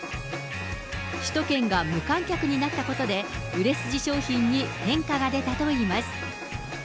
首都圏が無観客になったことで、売れ筋商品に変化が出たといいます。